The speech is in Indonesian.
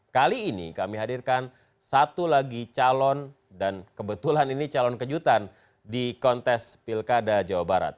kali ini kami hadirkan satu lagi calon dan kebetulan ini calon kejutan di kontes pilkada jawa barat